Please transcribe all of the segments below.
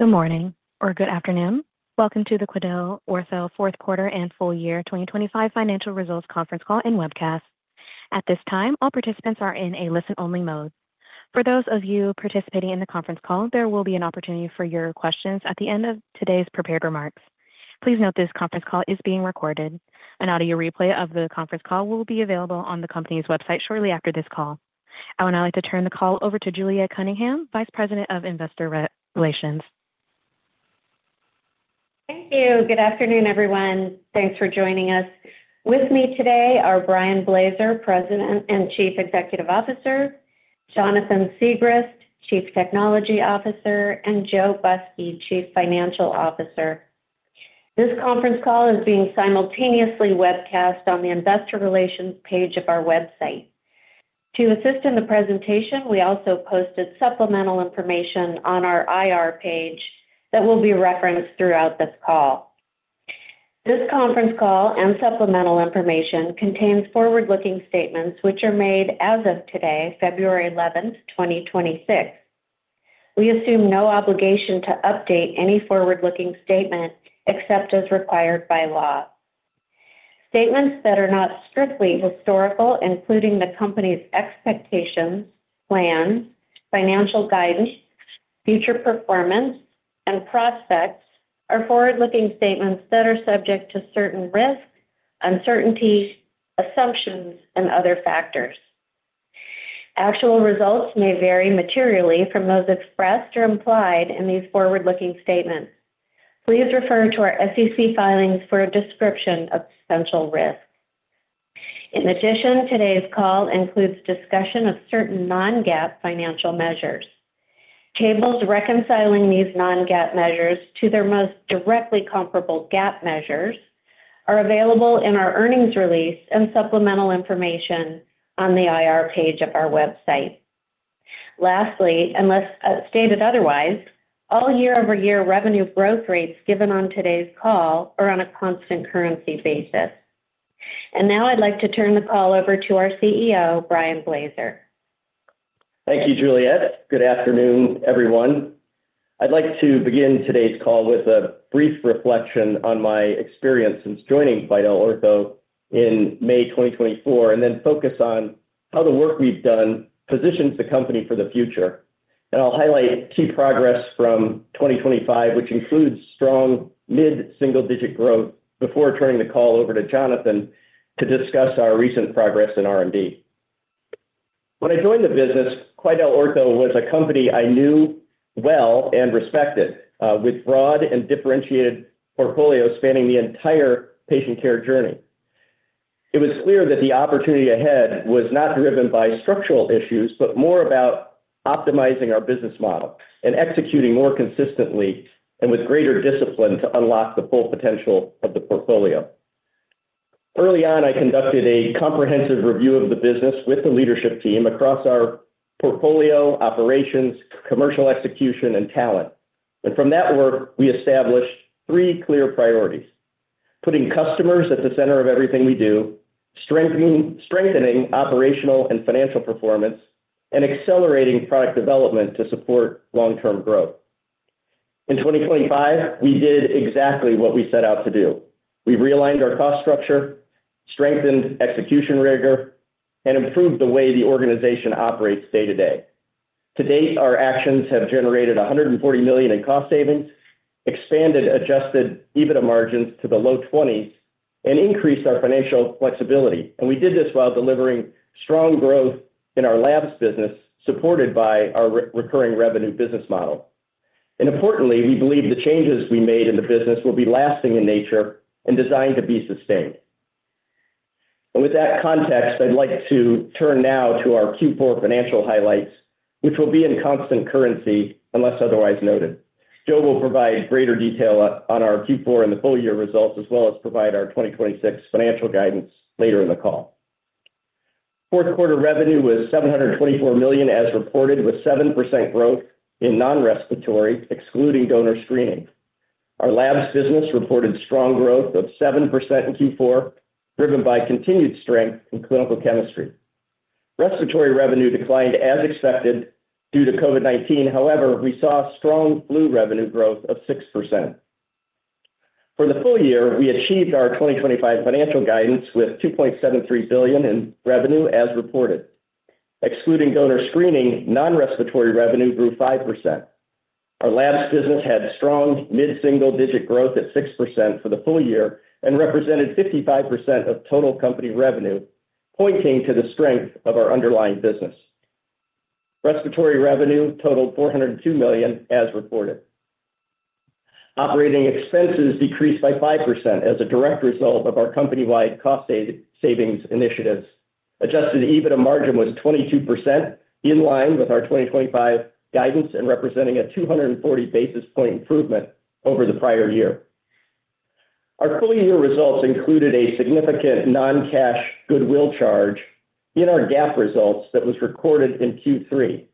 Good morning or good afternoon. Welcome to the QuidelOrtho Fourth Quarter and Full Year 2025 Financial Results Conference Call and Webcast. At this time, all participants are in a listen-only mode. For those of you participating in the conference call, there will be an opportunity for your questions at the end of today's prepared remarks. Please note this conference call is being recorded. An audio replay of the conference call will be available on the company's website shortly after this call. I would now like to turn the call over to Juliet Cunningham, Vice President of Investor Relations. Thank you. Good afternoon, everyone. Thanks for joining us. With me today are Brian Blaser, President and Chief Executive Officer; Jonathan Siegrist, Chief Technology Officer; and Joe Busky, Chief Financial Officer. This conference call is being simultaneously webcast on the Investor Relations page of our website. To assist in the presentation, we also posted supplemental information on our IR page that will be referenced throughout this call. This conference call and supplemental information contains forward-looking statements which are made as of today, February 11th, 2026. We assume no obligation to update any forward-looking statement except as required by law. Statements that are not strictly historical, including the company's expectations, plans, financial guidance, future performance, and prospects, are forward-looking statements that are subject to certain risk, uncertainty, assumptions, and other factors. Actual results may vary materially from those expressed or implied in these forward-looking statements. Please refer to our SEC filings for a description of potential risk. In addition, today's call includes discussion of certain non-GAAP financial measures. Tables reconciling these non-GAAP measures to their most directly comparable GAAP measures are available in our earnings release and supplemental information on the IR page of our website. Lastly, unless stated otherwise, all year-over-year revenue growth rates given on today's call are on a constant currency basis. And now I'd like to turn the call over to our CEO, Brian Blaser. Thank you, Juliet. Good afternoon, everyone. I'd like to begin today's call with a brief reflection on my experience since joining QuidelOrtho in May 2024 and then focus on how the work we've done positions the company for the future. I'll highlight key progress from 2025, which includes strong mid-single-digit growth, before turning the call over to Jonathan to discuss our recent progress in R&D. When I joined the business, QuidelOrtho was a company I knew well and respected with broad and differentiated portfolios spanning the entire patient care journey. It was clear that the opportunity ahead was not driven by structural issues but more about optimizing our business model and executing more consistently and with greater discipline to unlock the full potential of the portfolio. Early on, I conducted a comprehensive review of the business with the leadership team across our portfolio, operations, commercial execution, and talent. From that work, we established three clear priorities: putting customers at the center of everything we do, strengthening operational and financial performance, and accelerating product development to support long-term growth. In 2025, we did exactly what we set out to do. We realigned our cost structure, strengthened execution rigor, and improved the way the organization operates day to day. To date, our actions have generated $140 million in cost savings, expanded adjusted EBITDA margins to the low 20s, and increased our financial flexibility. We did this while delivering strong growth in our Labs business supported by our recurring revenue business model. Importantly, we believe the changes we made in the business will be lasting in nature and designed to be sustained. With that context, I'd like to turn now to our Q4 financial highlights, which will be in constant currency unless otherwise noted. Joe will provide greater detail on our Q4 and the full year results as well as provide our 2026 financial guidance later in the call. Fourth quarter revenue was $724 million as reported, with 7% growth in non-respiratory, excluding donor screening. Our Labs business reported strong growth of 7% in Q4, driven by continued strength in clinical chemistry. Respiratory revenue declined as expected due to COVID-19. However, we saw strong flu revenue growth of 6%. For the full year, we achieved our 2025 financial guidance with $2.73 billion in revenue as reported. Excluding donor screening, non-respiratory revenue grew 5%. Our Labs business had strong mid-single-digit growth at 6% for the full year and represented 55% of total company revenue, pointing to the strength of our underlying business. Respiratory revenue totaled $402 million as reported. Operating expenses decreased by 5% as a direct result of our company-wide cost savings initiatives. Adjusted EBITDA margin was 22%, in line with our 2025 guidance and representing a 240 basis point improvement over the prior year. Our full year results included a significant non-cash goodwill charge in our GAAP results that was recorded in Q3.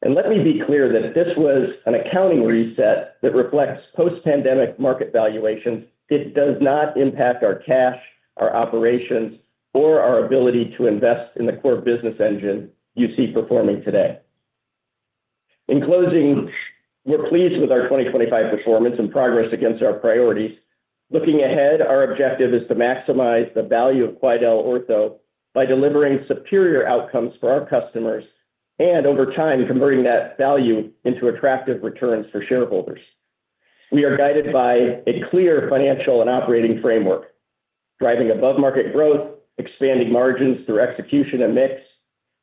And let me be clear that this was an accounting reset that reflects post-pandemic market valuations. It does not impact our cash, our operations, or our ability to invest in the core business engine you see performing today. In closing, we're pleased with our 2025 performance and progress against our priorities. Looking ahead, our objective is to maximize the value of QuidelOrtho by delivering superior outcomes for our customers and, over time, converting that value into attractive returns for shareholders. We are guided by a clear financial and operating framework, driving above-market growth, expanding margins through execution and mix,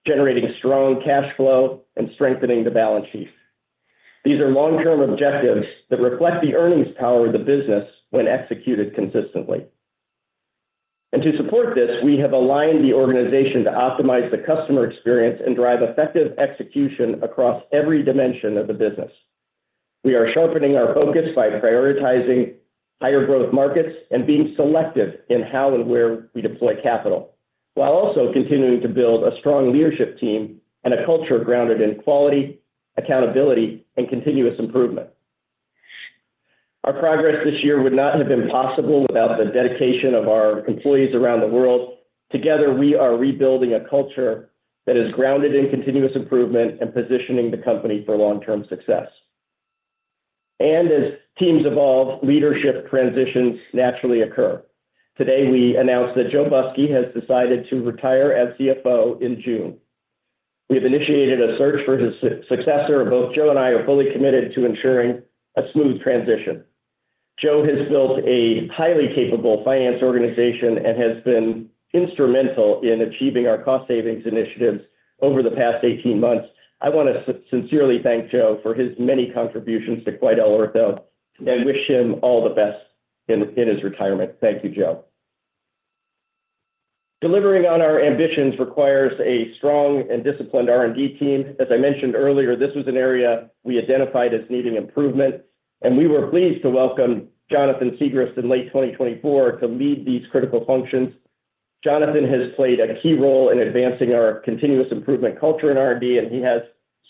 generating strong cash flow, and strengthening the balance sheet. These are long-term objectives that reflect the earnings power of the business when executed consistently. To support this, we have aligned the organization to optimize the customer experience and drive effective execution across every dimension of the business. We are sharpening our focus by prioritizing higher growth markets and being selective in how and where we deploy capital, while also continuing to build a strong leadership team and a culture grounded in quality, accountability, and continuous improvement. Our progress this year would not have been possible without the dedication of our employees around the world. Together, we are rebuilding a culture that is grounded in continuous improvement and positioning the company for long-term success. As teams evolve, leadership transitions naturally occur. Today, we announced that Joe Busky has decided to retire as CFO in June. We have initiated a search for his successor. Both Joe and I are fully committed to ensuring a smooth transition. Joe has built a highly capable finance organization and has been instrumental in achieving our cost savings initiatives over the past 18 months. I want to sincerely thank Joe for his many contributions to QuidelOrtho and wish him all the best in his retirement. Thank you, Joe. Delivering on our ambitions requires a strong and disciplined R&D team. As I mentioned earlier, this was an area we identified as needing improvement, and we were pleased to welcome Jonathan Siegrist in late 2024 to lead these critical functions. Jonathan has played a key role in advancing our continuous improvement culture in R&D, and he has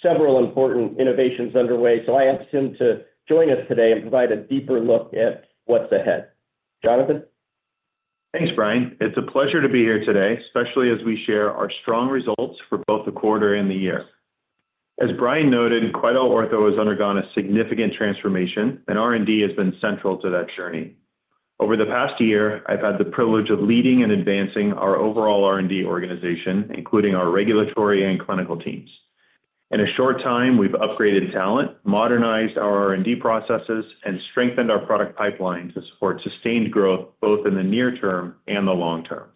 several important innovations underway. So I asked him to join us today and provide a deeper look at what's ahead. Jonathan? Thanks, Brian. It's a pleasure to be here today, especially as we share our strong results for both the quarter and the year. As Brian noted, QuidelOrtho has undergone a significant transformation, and R&D has been central to that journey. Over the past year, I've had the privilege of leading and advancing our overall R&D organization, including our regulatory and clinical teams. In a short time, we've upgraded talent, modernized our R&D processes, and strengthened our product pipeline to support sustained growth both in the near term and the long term.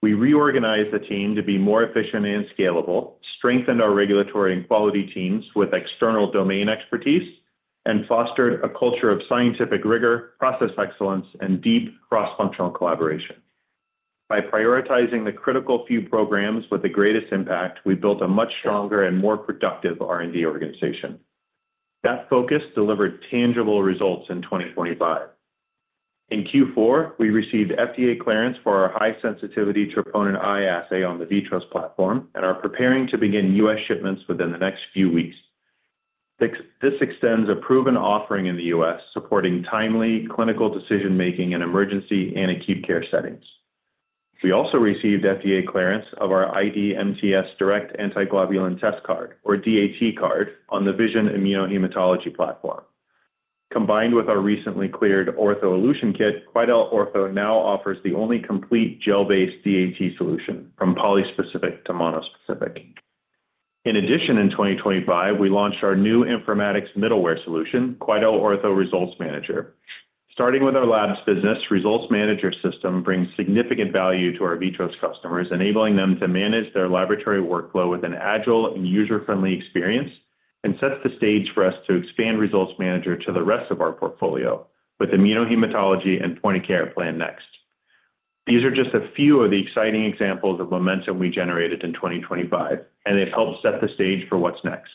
We reorganized the team to be more efficient and scalable, strengthened our regulatory and quality teams with external domain expertise, and fostered a culture of scientific rigor, process excellence, and deep cross-functional collaboration. By prioritizing the critical few programs with the greatest impact, we built a much stronger and more productive R&D organization. That focus delivered tangible results in 2025. In Q4, we received FDA clearance for our High Sensitivity Troponin I assay on the VITROS platform and are preparing to begin U.S. shipments within the next few weeks. This extends a proven offering in the U.S. supporting timely clinical decision-making in emergency and acute care settings. We also received FDA clearance of our ID-MTS Direct Antiglobulin Test card, or DAT card, on the VISION Immunohematology platform. Combined with our recently cleared Ortho Elution Kit, QuidelOrtho now offers the only complete gel-based DAT solution from polyspecific to monospecific. In addition, in 2025, we launched our new informatics middleware solution, QuidelOrtho Results Manager. Starting with our Labs business, Results Manager system brings significant value to our VITROS customers, enabling them to manage their laboratory workflow with an agile and user-friendly experience and sets the stage for us to expand Results Manager to the rest of our portfolio, with Immunohematology and Point of Care planned next. These are just a few of the exciting examples of momentum we generated in 2025, and they've helped set the stage for what's next.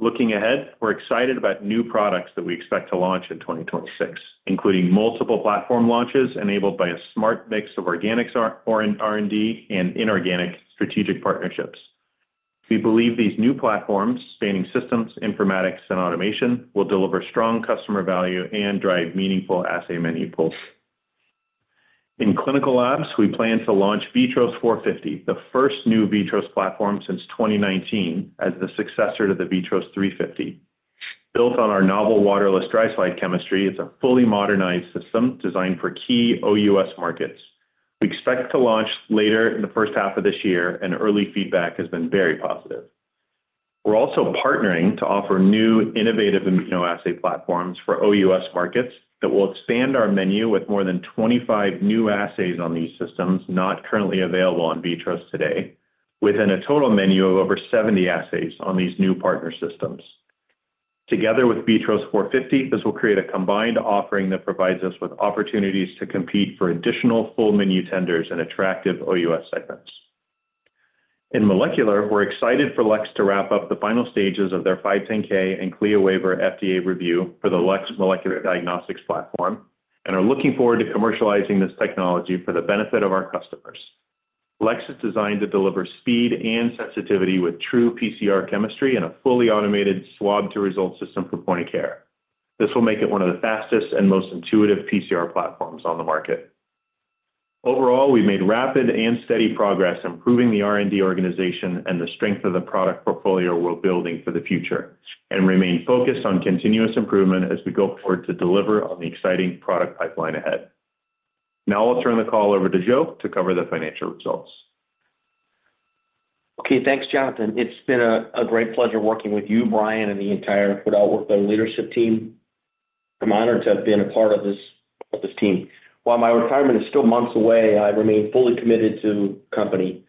Looking ahead, we're excited about new products that we expect to launch in 2026, including multiple platform launches enabled by a smart mix of organic R&D and inorganic strategic partnerships. We believe these new platforms, spanning systems, informatics, and automation, will deliver strong customer value and drive meaningful assay menu pulls. In clinical labs, we plan to launch VITROS 450, the first new VITROS platform since 2019 as the successor to the VITROS 350. Built on our novel waterless dry slide chemistry, it's a fully modernized system designed for key OUS markets. We expect to launch later in the first half of this year, and early feedback has been very positive. We're also partnering to offer new innovative immunoassay platforms for OUS markets that will expand our menu with more than 25 new assays on these systems not currently available on VITROS today, within a total menu of over 70 assays on these new partner systems. Together with VITROS 450, this will create a combined offering that provides us with opportunities to compete for additional full menu tenders and attractive OUS segments. In molecular, we're excited for LEX to wrap up the final stages of their 510(k) and CLIA waiver FDA review for the LEX Molecular Diagnostics platform and are looking forward to commercializing this technology for the benefit of our customers. LEX is designed to deliver speed and sensitivity with true PCR chemistry and a fully automated swab-to-result system for Point of Care. This will make it one of the fastest and most intuitive PCR platforms on the market. Overall, we've made rapid and steady progress improving the R&D organization and the strength of the product portfolio we're building for the future and remain focused on continuous improvement as we go forward to deliver on the exciting product pipeline ahead. Now I'll turn the call over to Joe to cover the financial results. Okay. Thanks, Jonathan. It's been a great pleasure working with you, Brian, and the entire QuidelOrtho leadership team. I'm honored to have been a part of this team. While my retirement is still months away, I remain fully committed to the company.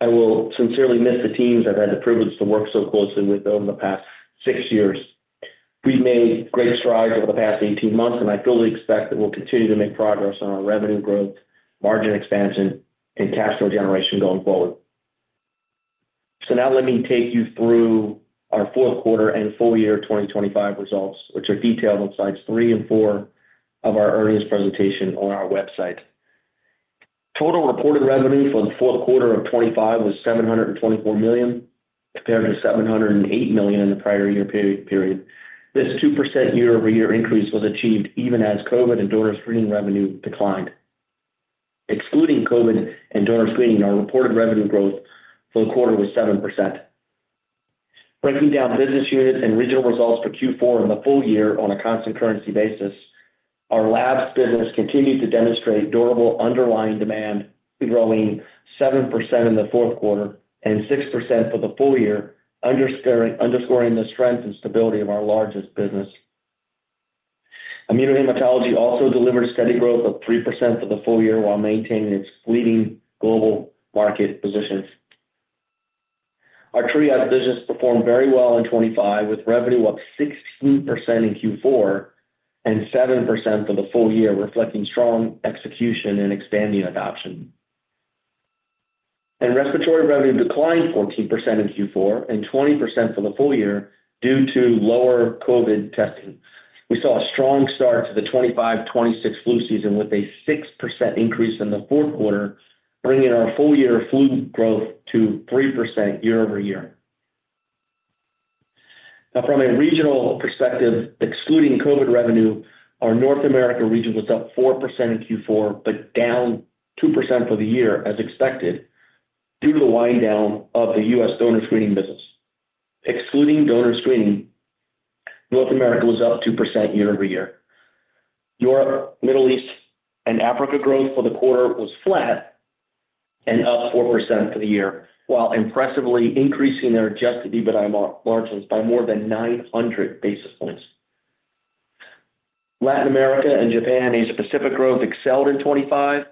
I will sincerely miss the teams I've had the privilege to work so closely with over the past six years. We've made great strides over the past 18 months, and I fully expect that we'll continue to make progress on our revenue growth, margin expansion, and cash flow generation going forward. So now let me take you through our fourth quarter and full year 2025 results, which are detailed on sites three and four of our earnings presentation on our website. Total reported revenue for the fourth quarter of 2025 was $724 million compared to $708 million in the prior year period. This 2% year-over-year increase was achieved even as COVID and donor screening revenue declined. Excluding COVID and donor screening, our reported revenue growth for the quarter was 7%. Breaking down business unit and regional results for Q4 and the full year on a constant currency basis, our Labs business continued to demonstrate durable underlying demand growing 7% in the fourth quarter and 6% for the full year, underscoring the strength and stability of our largest business. Immunohematology also delivered steady growth of 3% for the full year while maintaining its leading global market positions. Our Triage business performed very well in 2025 with revenue up 16% in Q4 and 7% for the full year, reflecting strong execution and expanding adoption. Respiratory revenue declined 14% in Q4 and 20% for the full year due to lower COVID testing. We saw a strong start to the 2025-2026 flu season with a 6% increase in the fourth quarter, bringing our full year flu growth to 3% year-over-year. Now, from a regional perspective, excluding COVID revenue, our North America region was up 4% in Q4 but down 2% for the year as expected due to the winddown of the U.S. Donor Screening business. Excluding Donor Screening, North America was up 2% year-over-year. Europe, Middle East, and Africa growth for the quarter was flat and up 4% for the year while impressively increasing their adjusted EBITDA margins by more than 900 basis points. Latin America and Japan Asia-Pacific growth excelled in 2025.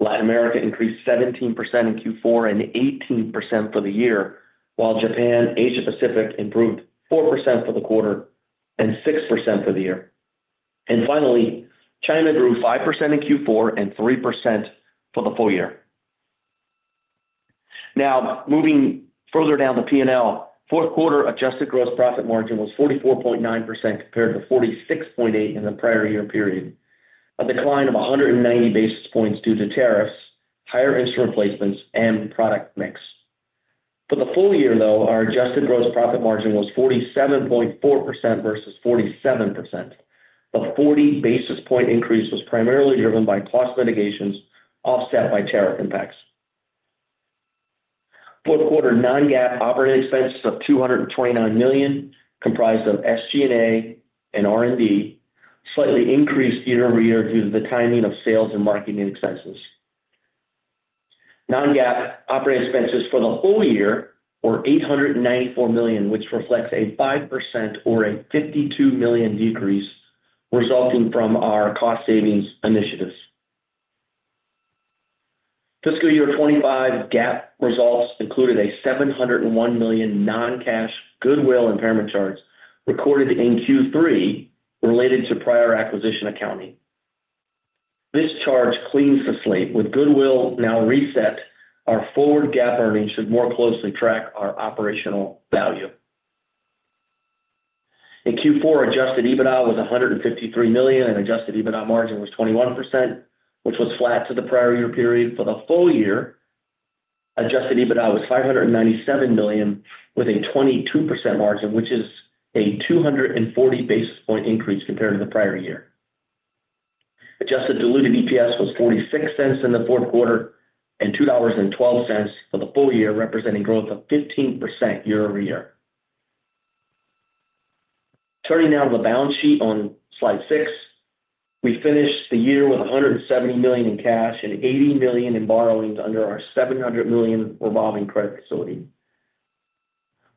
Latin America increased 17% in Q4 and 18% for the year, while Japan, Asia-Pacific, improved 4% for the quarter and 6% for the year. Finally, China grew 5% in Q4 and 3% for the full year. Now, moving further down the P&L, fourth quarter adjusted gross profit margin was 44.9% compared to 46.8% in the prior year period, a decline of 190 basis points due to tariffs, higher instrument placements, and product mix. For the full year, though, our adjusted gross profit margin was 47.4% versus 47%. The 40 basis point increase was primarily driven by cost mitigations offset by tariff impacts. Fourth quarter non-GAAP operating expenses of $229 million, comprised of SG&A and R&D, slightly increased year-over-year due to the timing of sales and marketing expenses. Non-GAAP operating expenses for the whole year were $894 million, which reflects a 5% or a $52 million decrease resulting from our cost savings initiatives. Fiscal year 2025 GAAP results included a $701 million non-cash goodwill impairment charge recorded in Q3 related to prior acquisition accounting. This charge cleans the slate, with goodwill now reset. Our forward GAAP earnings should more closely track our operational value. In Q4, adjusted EBITDA was $153 million, and adjusted EBITDA margin was 21%, which was flat to the prior year period. For the full year, adjusted EBITDA was $597 million with a 22% margin, which is a 240 basis point increase compared to the prior year. Adjusted diluted EPS was $0.46 in the fourth quarter and $2.12 for the full year, representing growth of 15% year-over-year. Turning now to the balance sheet on slide six, we finished the year with $170 million in cash and $80 million in borrowings under our $700 million revolving credit facility.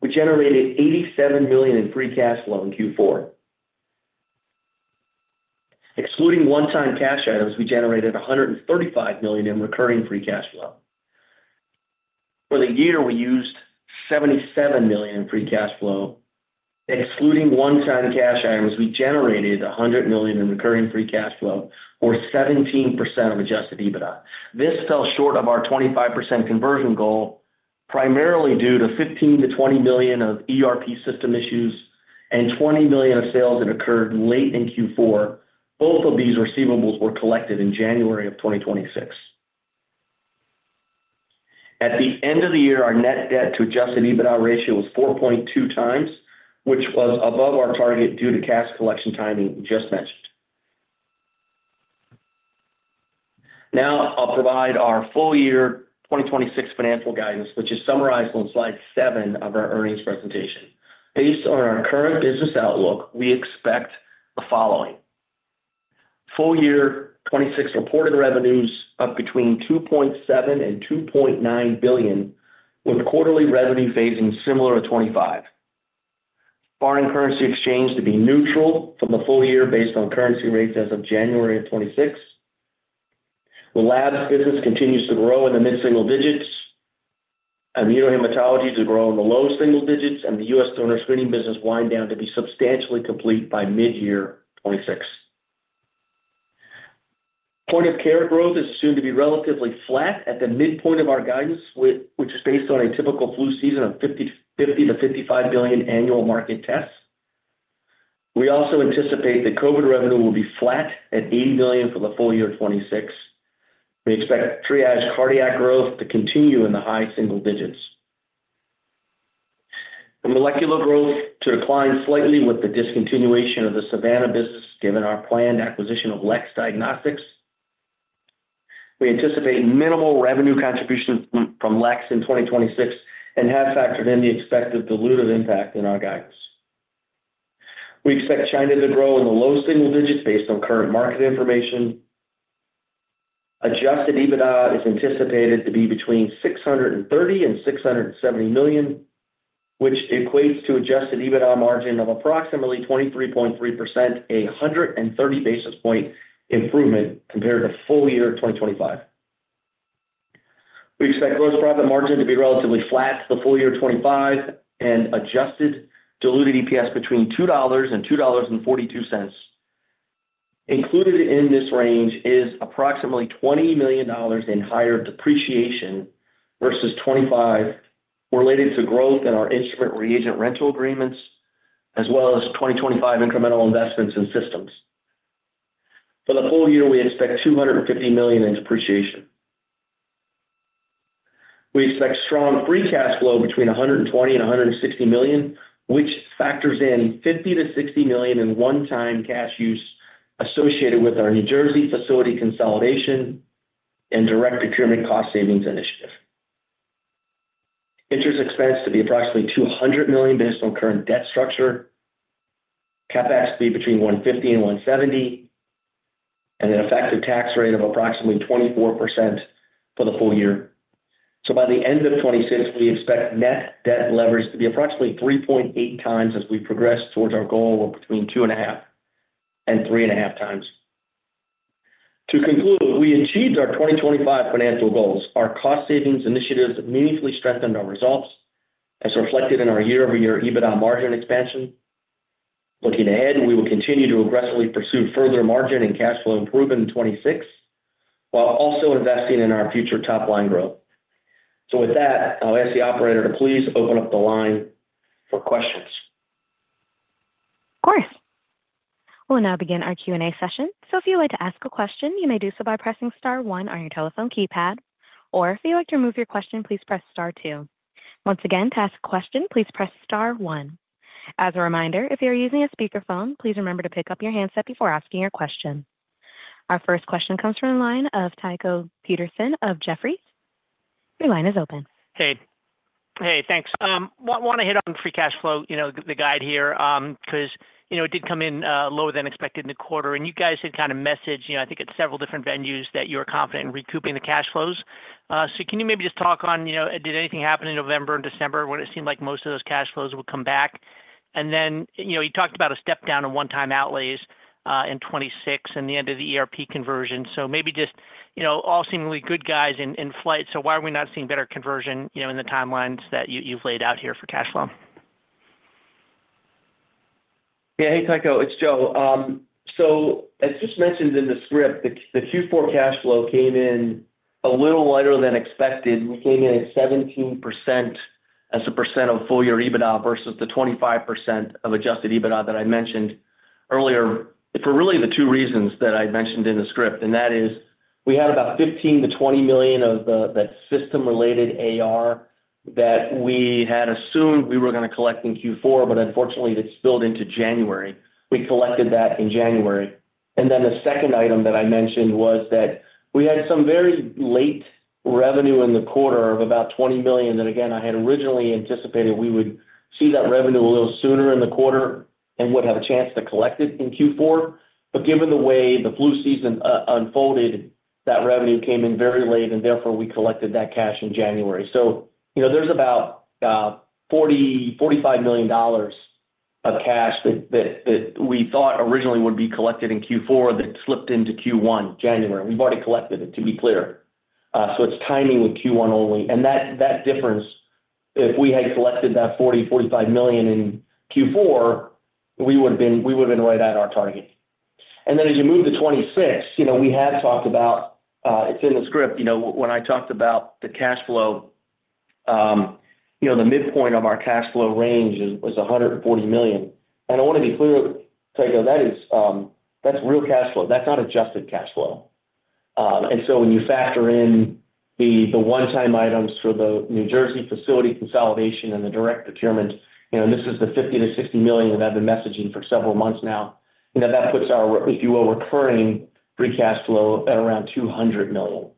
We generated $87 million in free cash flow in Q4. Excluding one-time cash items, we generated $135 million in recurring free cash flow. For the year, we used $77 million in free cash flow. Excluding one-time cash items, we generated $100 million in recurring free cash flow, or 17% of adjusted EBITDA. This fell short of our 25% conversion goal primarily due to $15 million-$20 million of ERP system issues and $20 million of sales that occurred late in Q4. Both of these receivables were collected in January of 2026. At the end of the year, our net debt to adjusted EBITDA ratio was 4.2x, which was above our target due to cash collection timing just mentioned. Now, I'll provide our full year 2026 financial guidance, which is summarized on slide seven of our earnings presentation. Based on our current business outlook, we expect the following: full year 2026 reported revenues up between $2.7 billion-$2.9 billion, with quarterly revenue phasing similar to 2025. Foreign currency exchange to be neutral for the full year based on currency rates as of January of 2026. The Labs business continues to grow in the mid-single digits. Immunohematology to grow in the low single digits. And the U.S. Donor Screening business wind down to be substantially complete by mid-year 2026. Point of Care growth is assumed to be relatively flat at the midpoint of our guidance, which is based on a typical flu season of 50 billion-55 billion annual market tests. We also anticipate that COVID revenue will be flat at $80 million for the full year 2026. We expect Triage cardiac growth to continue in the high single digits. The molecular growth to decline slightly with the discontinuation of the SAVANNA business given our planned acquisition of LEX Diagnostics. We anticipate minimal revenue contribution from LEX in 2026 and have factored in the expected diluted impact in our guidance. We expect China to grow in the low single digits based on current market information. Adjusted EBITDA is anticipated to be between $630 million-$670 million, which equates to adjusted EBITDA margin of approximately 23.3%, a 130 basis point improvement compared to full year 2025. We expect gross profit margin to be relatively flat to the full year 2025 and adjusted diluted EPS between $2-$2.42. Included in this range is approximately $20 million in higher depreciation versus 2025 related to growth in our instrument reagent rental agreements as well as 2025 incremental investments in systems. For the full year, we expect $250 million in depreciation. We expect strong free cash flow between $120 million and $160 million, which factors in $50 million to $60 million in one-time cash use associated with our New Jersey facility consolidation and direct procurement cost savings initiative. Interest expense to be approximately $200 million based on current debt structure. CapEx to be between $150 and $170, and an effective tax rate of approximately 24% for the full year. So by the end of 2026, we expect net debt leverage to be approximately 3.8x as we progress towards our goal of between 2.5 and 3.5x. To conclude, we achieved our 2025 financial goals. Our cost savings initiatives meaningfully strengthened our results as reflected in our year-over-year EBITDA margin expansion. Looking ahead, we will continue to aggressively pursue further margin and cash flow improvement in 2026 while also investing in our future top-line growth. With that, I'll ask the operator to please open up the line for questions. Of course. We'll now begin our Q&A session. So if you would like to ask a question, you may do so by pressing star one on your telephone keypad. Or if you'd like to remove your question, please press star two. Once again, to ask a question, please press star one. As a reminder, if you're using a speakerphone, please remember to pick up your handset before asking your question. Our first question comes from the line of Tycho Peterson of Jefferies. Your line is open. Hey. Hey, thanks. Want to hit on free cash flow, the guide here, because it did come in lower than expected in the quarter. And you guys had kind of messaged, I think, at several different venues that you were confident in recouping the cash flows. So can you maybe just talk on, did anything happen in November and December when it seemed like most of those cash flows would come back? And then you talked about a step down in one-time outlays in 2026 and the end of the ERP conversion. So maybe just all seemingly good guys in flight. So why are we not seeing better conversion in the timelines that you've laid out here for cash flow? Yeah. Hey, Tycho. It's Joe. So as just mentioned in the script, the Q4 cash flow came in a little lighter than expected. We came in at 17% as a percent of full year EBITDA versus the 25% of adjusted EBITDA that I mentioned earlier for really the two reasons that I mentioned in the script. And that is, we had about $15 million-$20 million of that system-related AR that we had assumed we were going to collect in Q4, but unfortunately, it spilled into January. We collected that in January. And then the second item that I mentioned was that we had some very late revenue in the quarter of about $20 million that, again, I had originally anticipated we would see that revenue a little sooner in the quarter and would have a chance to collect it in Q4. But given the way the flu season unfolded, that revenue came in very late, and therefore, we collected that cash in January. So there's about $45 million of cash that we thought originally would be collected in Q4 that slipped into Q1, January. We've already collected it, to be clear. So it's timing with Q1 only. And that difference, if we had collected that $40 million-$45 million in Q4, we would have been right at our target. And then as you move to 2026, we had talked about it's in the script. When I talked about the cash flow, the midpoint of our cash flow range was $140 million. And I want to be clear, Tycho, that's real cash flow. That's not adjusted cash flow. And so when you factor in the one-time items for the New Jersey facility consolidation and the direct procurement, and this is the $50 million-$60 million that I've been messaging for several months now, that puts our, if you will, recurring free cash flow at around $200 million,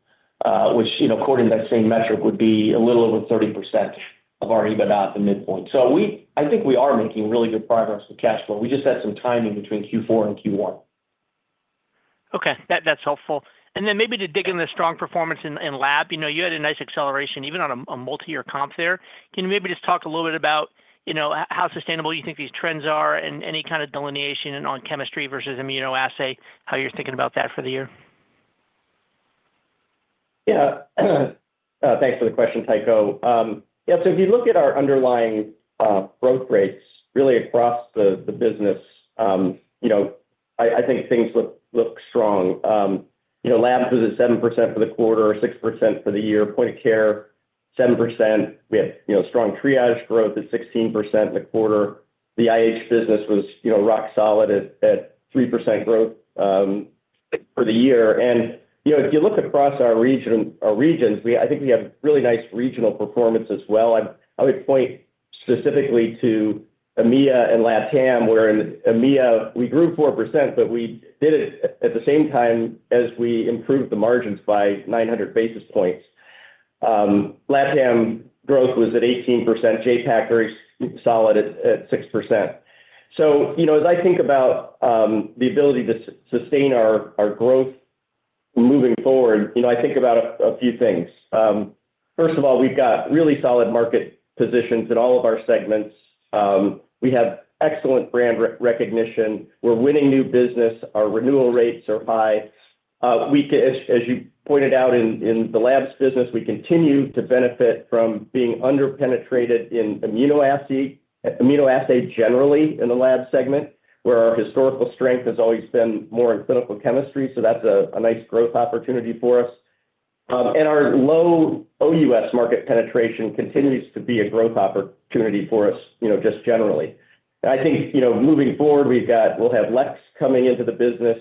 which according to that same metric would be a little over 30% of our EBITDA at the midpoint. So I think we are making really good progress with cash flow. We just had some timing between Q4 and Q1. Okay. That's helpful. And then maybe to dig into the strong performance in Lab, you had a nice acceleration even on a multi-year comp there. Can you maybe just talk a little bit about how sustainable you think these trends are and any kind of delineation on chemistry versus immunoassay, how you're thinking about that for the year? Yeah. Thanks for the question, Tycho. Yeah. So if you look at our underlying growth rates really across the business, I think things look strong. Labs was at 7% for the quarter, 6% for the year. Point of Care, 7%. We had strong Triage growth at 16% in the quarter. The IH business was rock solid at 3% growth for the year. And if you look across our regions, I think we have really nice regional performance as well. I would point specifically to EMEA and LatAm, where in EMEA, we grew 4%, but we did it at the same time as we improved the margins by 900 basis points. LatAm growth was at 18%. JPAC, very solid at 6%. So as I think about the ability to sustain our growth moving forward, I think about a few things. First of all, we've got really solid market positions in all of our segments. We have excellent brand recognition. We're winning new business. Our renewal rates are high. As you pointed out in the Labs business, we continue to benefit from being underpenetrated in immunoassay generally in the Labs segment, where our historical strength has always been more in clinical chemistry. So that's a nice growth opportunity for us. And our low OUS market penetration continues to be a growth opportunity for us just generally. And I think moving forward, we'll have LEX coming into the business.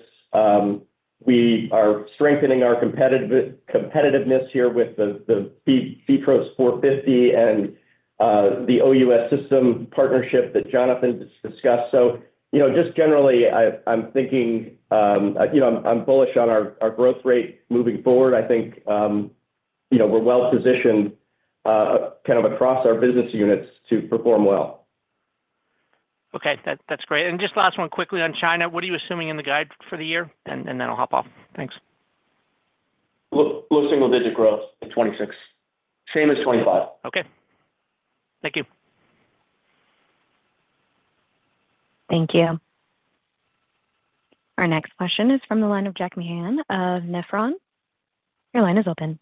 We are strengthening our competitiveness here with the VITROS 450 and the OUS system partnership that Jonathan discussed. So just generally, I'm thinking I'm bullish on our growth rate moving forward. I think we're well-positioned kind of across our business units to perform well. Okay. That's great. And just last one quickly on China. What are you assuming in the guide for the year? And then I'll hop off. Thanks. Low single-digit growth in 2026, same as 2025. Okay. Thank you. Thank you. Our next question is from the line of Jack Meehan of Nephron. Your line is open.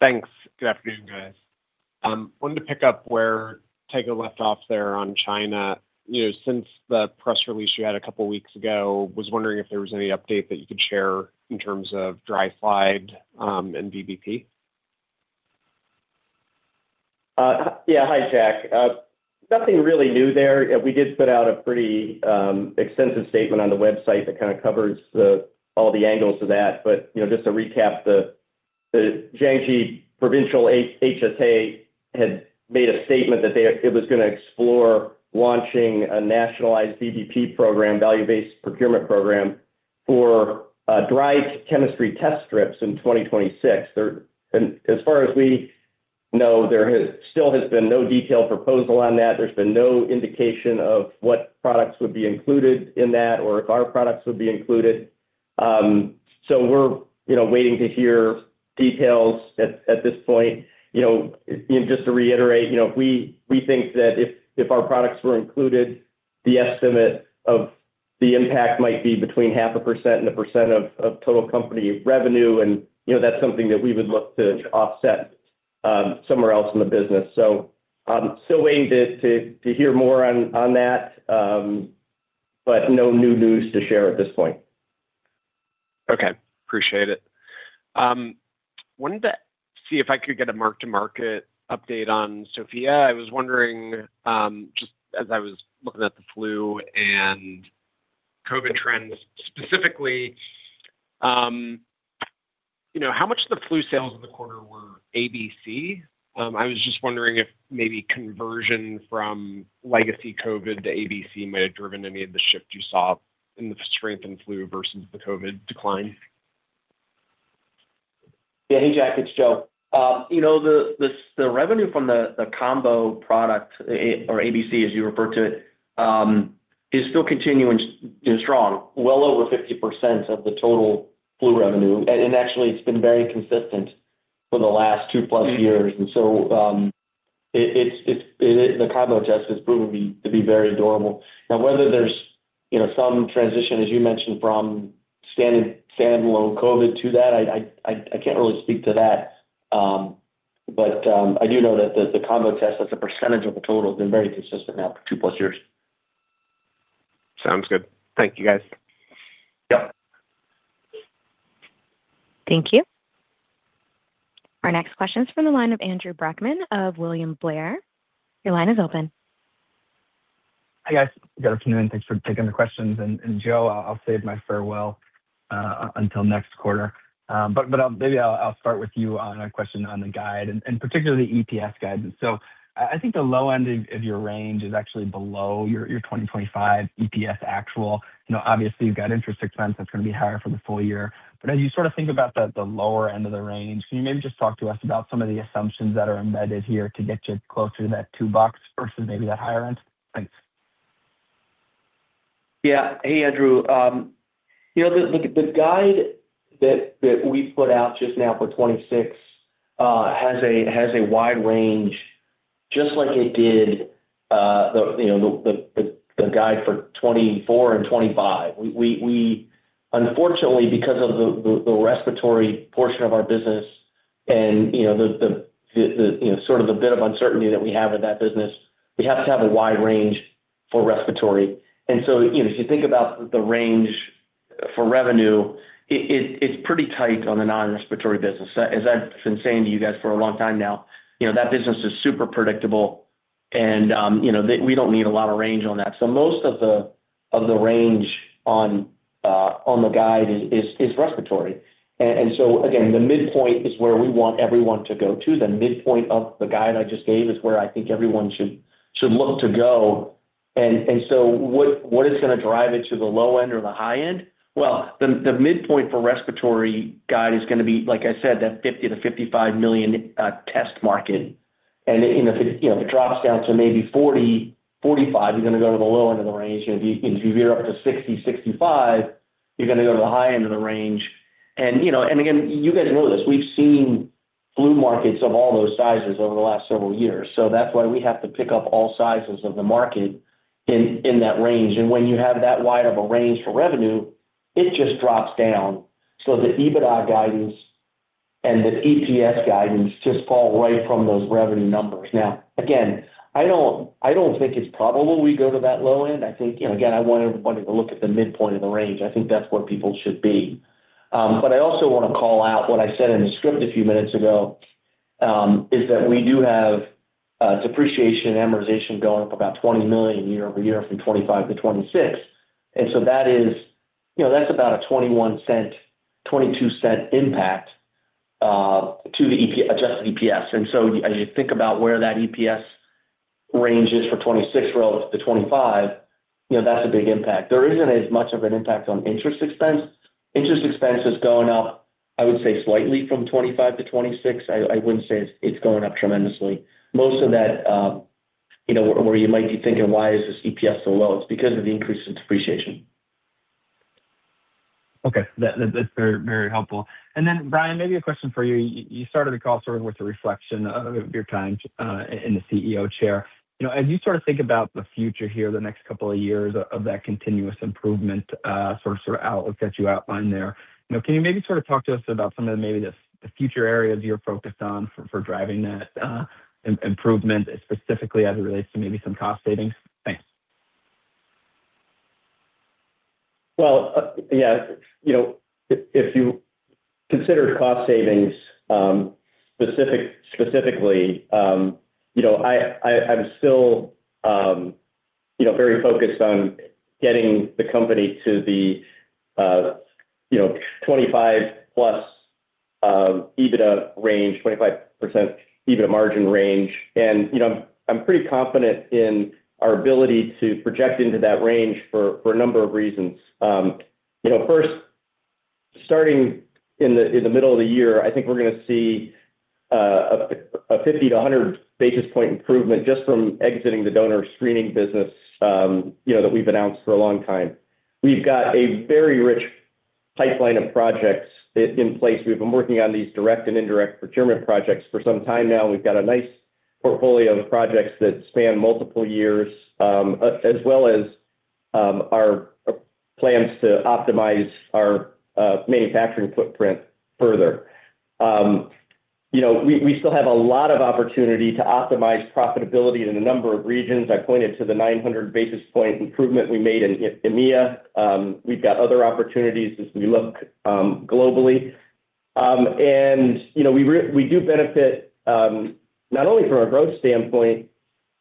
Thanks. Good afternoon, guys. Wanted to pick up where Tycho left off there on China. Since the press release you had a couple of weeks ago, was wondering if there was any update that you could share in terms of dry slide and VBP? Yeah. Hi, Jack. Nothing really new there. We did put out a pretty extensive statement on the website that kind of covers all the angles of that. But just to recap, the Jiangxi Provincial HSA had made a statement that it was going to explore launching a nationalized VBP program, value-based procurement program, for dry chemistry test strips in 2026. And as far as we know, there still has been no detailed proposal on that. There's been no indication of what products would be included in that or if our products would be included. So we're waiting to hear details at this point. Just to reiterate, we think that if our products were included, the estimate of the impact might be between 0.5% and 1% of total company revenue. And that's something that we would look to offset somewhere else in the business. Still waiting to hear more on that, but no new news to share at this point. Okay. Appreciate it. Wanted to see if I could get a mark-to-market update on SOFIA. I was wondering, just as I was looking at the flu and COVID trends specifically, how much of the flu sales of the quarter were ABC? I was just wondering if maybe conversion from legacy COVID to ABC might have driven any of the shift you saw in the strengthened flu versus the COVID decline. Yeah. Hey, Jack. It's Joe. The revenue from the combo product or ABC, as you refer to it, is still continuing strong, well over 50% of the total flu revenue. And actually, it's been very consistent for the last two-plus years. And so the combo test has proven to be very durable. Now, whether there's some transition, as you mentioned, from standalone COVID to that, I can't really speak to that. But I do know that the combo test, as a percentage of the total, has been very consistent now for two-plus years. Sounds good. Thank you, guys. Yep. Thank you. Our next question is from the line of Andrew Brackmann of William Blair. Your line is open. Hi, guys. Good afternoon. Thanks for taking the questions. And Joe, I'll save my farewell until next quarter. But maybe I'll start with you on a question on the guide, and particularly the EPS guide. So I think the low end of your range is actually below your 2025 EPS actual. Obviously, you've got interest expense. That's going to be higher for the full year. But as you sort of think about the lower end of the range, can you maybe just talk to us about some of the assumptions that are embedded here to get you closer to that $2 versus maybe that higher end? Thanks. Yeah. Hey, Andrew. The guide that we put out just now for 2026 has a wide range, just like it did the guide for 2024 and 2025. Unfortunately, because of the respiratory portion of our business and sort of the bit of uncertainty that we have in that business, we have to have a wide range for respiratory. And so if you think about the range for revenue, it's pretty tight on the non-respiratory business. As I've been saying to you guys for a long time now, that business is super predictable, and we don't need a lot of range on that. So most of the range on the guide is respiratory. And so again, the midpoint is where we want everyone to go to. The midpoint of the guide I just gave is where I think everyone should look to go. So what is going to drive it to the low end or the high end? Well, the midpoint for respiratory guide is going to be, like I said, that 50 million-55 million test market. And if it drops down to maybe 40-45, you're going to go to the low end of the range. And if you veer up to 60-65, you're going to go to the high end of the range. And again, you guys know this. We've seen flu markets of all those sizes over the last several years. So that's why we have to pick up all sizes of the market in that range. And when you have that wide of a range for revenue, it just drops down so the EBITDA guidance and the EPS guidance just fall right from those revenue numbers. Now, again, I don't think it's probable we go to that low end. I think, again, I want everybody to look at the midpoint of the range. I think that's where people should be. But I also want to call out what I said in the script a few minutes ago is that we do have depreciation and amortization going up about $20 million year-over-year from 2025 to 2026. And so that's about a $0.21, $0.22 impact to the adjusted EPS. And so as you think about where that EPS range is for 2026 relative to 2025, that's a big impact. There isn't as much of an impact on interest expense. Interest expense is going up, I would say, slightly from 2025-2026. I wouldn't say it's going up tremendously. Most of that, where you might be thinking, "Why is this EPS so low?" It's because of the increase in depreciation. Okay. That's very helpful. And then, Brian, maybe a question for you. You started the call sort of with a reflection of your time in the CEO chair. As you sort of think about the future here, the next couple of years of that continuous improvement sort of outlook that you outlined there, can you maybe sort of talk to us about some of maybe the future areas you're focused on for driving that improvement, specifically as it relates to maybe some cost savings? Thanks. Well, yeah. If you consider cost savings specifically, I'm still very focused on getting the company to the 25+ EBITDA range, 25% EBITDA margin range. I'm pretty confident in our ability to project into that range for a number of reasons. First, starting in the middle of the year, I think we're going to see a 50-100 basis point improvement just from exiting the Donor Screening business that we've announced for a long time. We've got a very rich pipeline of projects in place. We've been working on these direct and indirect procurement projects for some time now. We've got a nice portfolio of projects that span multiple years, as well as our plans to optimize our manufacturing footprint further. We still have a lot of opportunity to optimize profitability in a number of regions. I pointed to the 900 basis point improvement we made in EMEA. We've got other opportunities as we look globally. We do benefit not only from a growth standpoint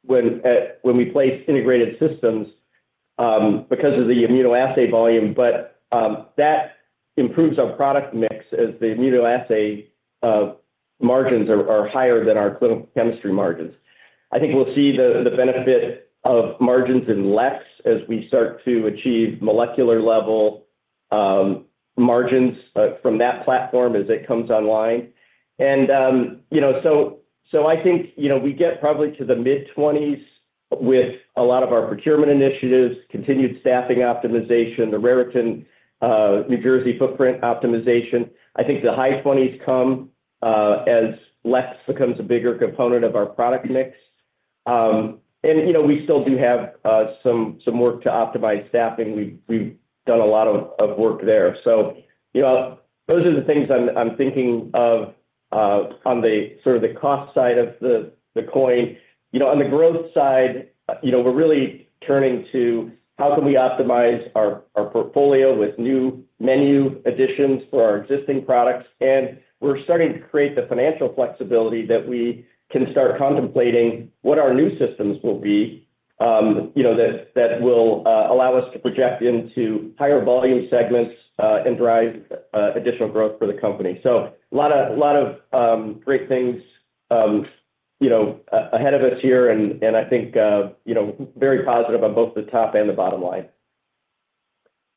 when we place integrated systems because of the immunoassay volume, but that improves our product mix as the immunoassay margins are higher than our clinical chemistry margins. I think we'll see the benefit of margins in LEX as we start to achieve molecular-level margins from that platform as it comes online. I think we get probably to the mid-20s with a lot of our procurement initiatives, continued staffing optimization, the Raritan, New Jersey footprint optimization. I think the high 20s come as LEX becomes a bigger component of our product mix. We still do have some work to optimize staffing. We've done a lot of work there. Those are the things I'm thinking of on sort of the cost side of the coin. On the growth side, we're really turning to how can we optimize our portfolio with new menu additions for our existing products? We're starting to create the financial flexibility that we can start contemplating what our new systems will be that will allow us to project into higher volume segments and drive additional growth for the company. A lot of great things ahead of us here, and I think very positive on both the top and the bottom line.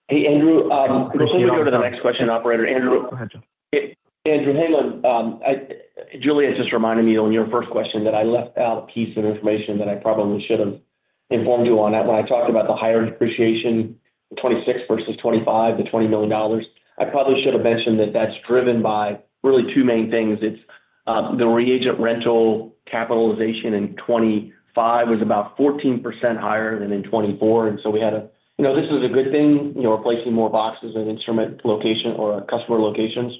Hey, Andrew. Thank you. Before we go to the next question, operator, Andrew. Go ahead, Joe. Andrew, hang on. Juliet just reminded me on your first question that I left out a piece of information that I probably should have informed you on. When I talked about the higher depreciation, the 2026 versus 2025, the $20 million, I probably should have mentioned that that's driven by really two main things. It's the reagent rental capitalization in 2025 was about 14% higher than in 2024. And so we had a this is a good thing, replacing more boxes and instrument location or customer locations.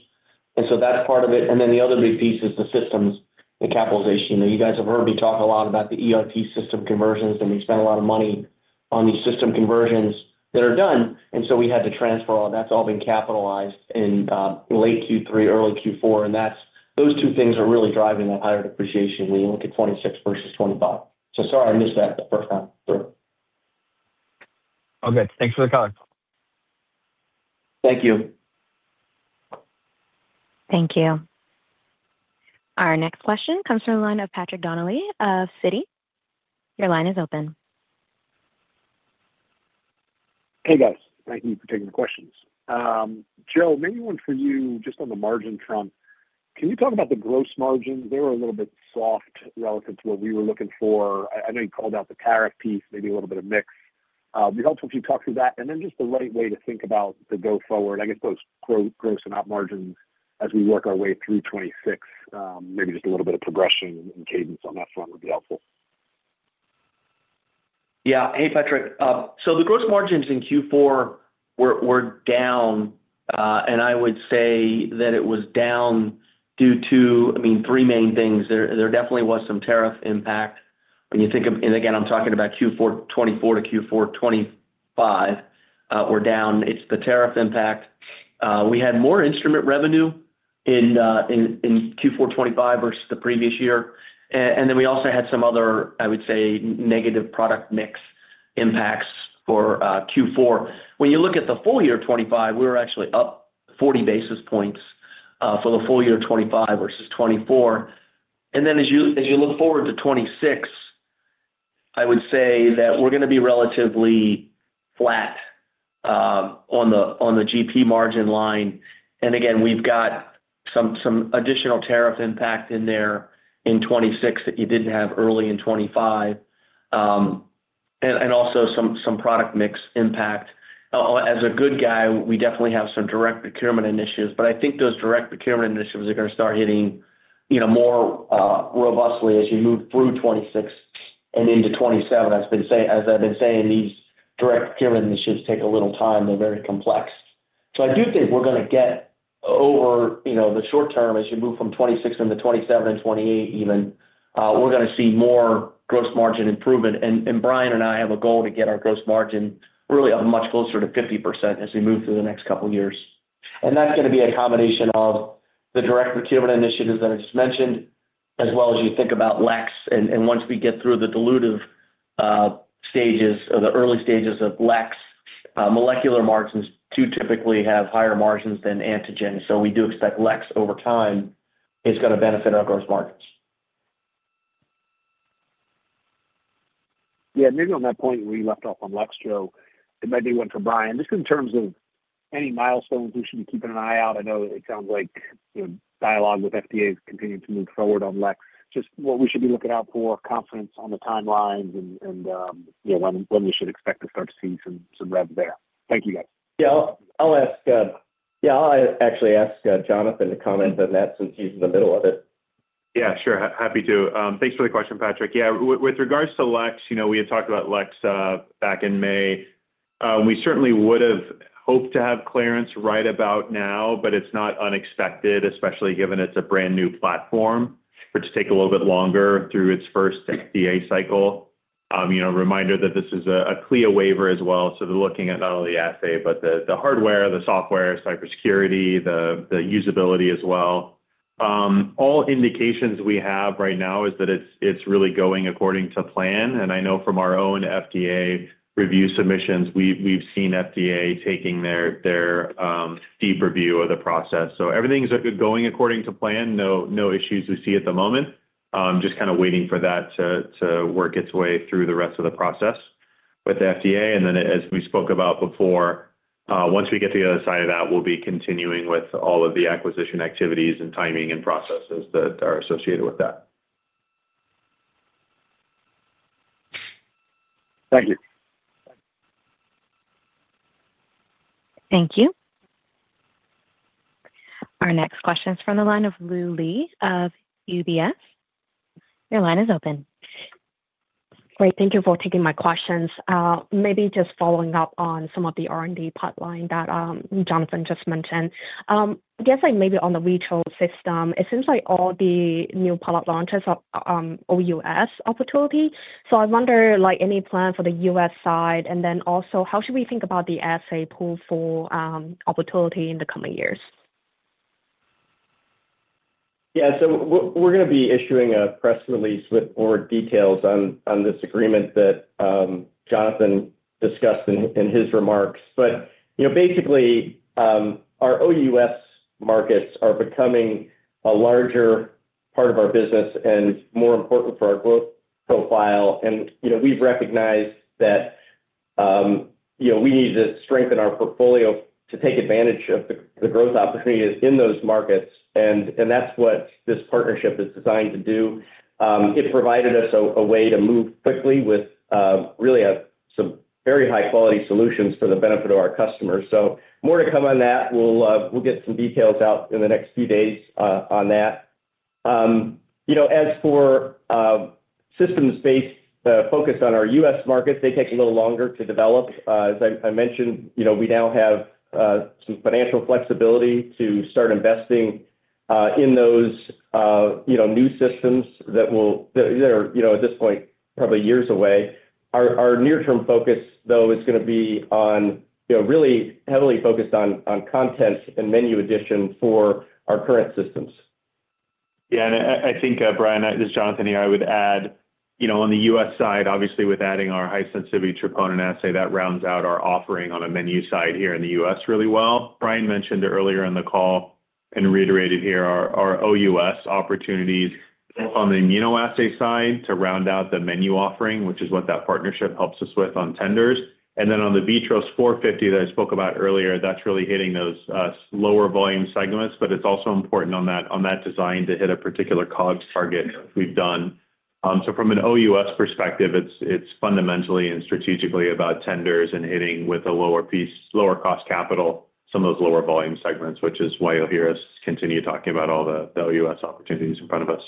And so that's part of it. And then the other big piece is the systems, the capitalization. You guys have heard me talk a lot about the ERP system conversions, and we spent a lot of money on these system conversions that are done. And so we had to transfer all that's all been capitalized in late Q3, early Q4. Those two things are really driving that higher depreciation when you look at 2026 versus 2025. Sorry, I missed that the first time. All good. Thanks for the call. Thank you. Thank you. Our next question comes from the line of Patrick Donnelly of Citi. Your line is open. Hey, guys. Thank you for taking the questions. Joe, maybe one for you just on the margin front. Can you talk about the gross margins? They were a little bit soft relative to what we were looking for. I know you called out the tariff piece, maybe a little bit of mix. It'd be helpful if you talk through that. And then just the right way to think about the go-forward, I guess, both gross and op margins as we work our way through 2026. Maybe just a little bit of progression and cadence on that front would be helpful. Yeah. Hey, Patrick. So the gross margins in Q4 were down. And I would say that it was down due to, I mean, three main things. There definitely was some tariff impact. And again, I'm talking about Q4 2024 to Q4 2025 were down. It's the tariff impact. We had more instrument revenue in Q4 2025 versus the previous year. And then we also had some other, I would say, negative product mix impacts for Q4. When you look at the full year 2025, we were actually up 40 basis points for the full year 2025 versus 2024. And then as you look forward to 2026, I would say that we're going to be relatively flat on the GP margin line. And again, we've got some additional tariff impact in there in 2026 that you didn't have early in 2025 and also some product mix impact. As a good guy, we definitely have some direct procurement initiatives. But I think those direct procurement initiatives are going to start hitting more robustly as you move through 2026 and into 2027. As I've been saying, these direct procurement initiatives take a little time. They're very complex. So I do think we're going to get over the short term, as you move from 2026 into 2027 and 2028 even, we're going to see more gross margin improvement. Brian and I have a goal to get our gross margin really up much closer to 50% as we move through the next couple of years. That's going to be a combination of the direct procurement initiatives that I just mentioned, as well as you think about LEX. Once we get through the dilutive stages or the early stages of LEX, molecular margins too typically have higher margins than antigen. We do expect LEX over time is going to benefit our gross margins. Yeah. Maybe on that point where you left off on LEX, Joe, it maybe went to Brian. Just in terms of any milestones we should be keeping an eye out, I know it sounds like dialogue with FDA is continuing to move forward on LEX. Just what we should be looking out for, confidence on the timelines, and when we should expect to start to see some revenue there. Thank you, guys. Yeah. I'll actually ask Jonathan to comment on that since he's in the middle of it. Yeah. Sure. Happy to. Thanks for the question, Patrick. Yeah. With regards to LEX, we had talked about LEX back in May. We certainly would have hoped to have clearance right about now, but it's not unexpected, especially given it's a brand new platform for it to take a little bit longer through its first FDA cycle. Reminder that this is a CLIA waiver as well. So they're looking at not only the assay, but the hardware, the software, cybersecurity, the usability as well. All indications we have right now is that it's really going according to plan. And I know from our own FDA review submissions, we've seen FDA taking their deep review of the process. So everything's going according to plan. No issues we see at the moment. Just kind of waiting for that to work its way through the rest of the process with the FDA. And then, as we spoke about before, once we get to the other side of that, we'll be continuing with all of the acquisition activities and timing and processes that are associated with that. Thank you. Thank you. Our next question is from the line of Lu Li of UBS. Your line is open. Great. Thank you for taking my questions. Maybe just following up on some of the R&D pipeline that Jonathan just mentioned. I guess maybe on the VITROS system, it seems like all the new product launches are OUS opportunity. So I wonder, any plan for the U.S. side? And then also, how should we think about the assay pool for opportunity in the coming years? Yeah. So we're going to be issuing a press release with more details on this agreement that Jonathan discussed in his remarks. But basically, our OUS markets are becoming a larger part of our business and more important for our growth profile. And we've recognized that we need to strengthen our portfolio to take advantage of the growth opportunities in those markets. And that's what this partnership is designed to do. It provided us a way to move quickly with really some very high-quality solutions for the benefit of our customers. So more to come on that. We'll get some details out in the next few days on that. As for systems-based focus on our U.S. markets, they take a little longer to develop. As I mentioned, we now have some financial flexibility to start investing in those new systems that are at this point probably years away. Our near-term focus, though, is going to be really heavily focused on content and menu addition for our current systems. Yeah. And I think, Brian, as Jonathan and I would add, on the U.S. side, obviously, with adding our High Sensitivity Troponin assay, that rounds out our offering on a menu side here in the U.S. really well. Brian mentioned earlier in the call and reiterated here our OUS opportunities on the immunoassay side to round out the menu offering, which is what that partnership helps us with on tenders. And then on the VITROS 450 that I spoke about earlier, that's really hitting those lower volume segments. But it's also important on that design to hit a particular COGS target we've done. So from an OUS perspective, it's fundamentally and strategically about tenders and hitting with a lower cost capital, some of those lower volume segments, which is why you'll hear us continue talking about all the OUS opportunities in front of us.